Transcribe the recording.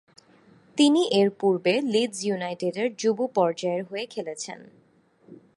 তিনি এর পূর্বে লিডস ইউনাইটেডের যুব পর্যায়ের হয়ে খেলেছেন।